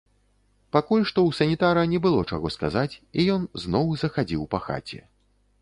Пакуль што ў санітара не было чаго сказаць, і ён зноў захадзіў па хаце.